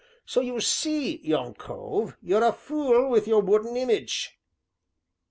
So you see, young cove, you're a fool with your wooden image."